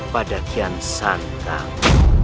pada kian santam